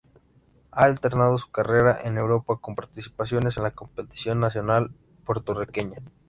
Ha alternado su carrera en Europa con participaciones en la competición nacional puertorriqueña.